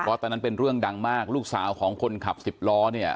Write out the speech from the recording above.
เพราะตอนนั้นเป็นเรื่องดังมากลูกสาวของคนขับสิบล้อเนี่ย